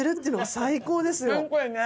最高やね。